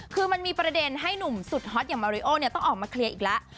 คือมันมีประเด็นให้หนุ่มสุดฮอตอย่างมาริโอเนี่ยต้องออกมาเคลียร์อีกแล้ว